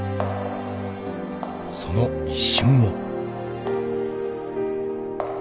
［その一瞬を］